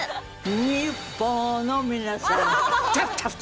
日本の皆さん。